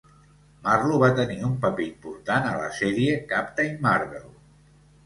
Marlo va tenir un paper important a la sèrie "Captain Marvel".